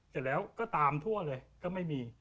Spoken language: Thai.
เสร็จแล้วก็ตามทั่วเลยก็ไม่มี